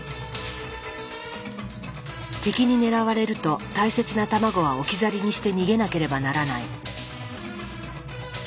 敵に狙われると大切な卵は置き去りにして逃げなければならない。